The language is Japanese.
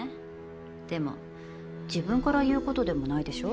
でも自分から言うことでもないでしょ？